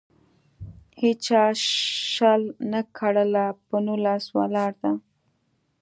هیچا شل نه کړله. په نولس ولاړه ده.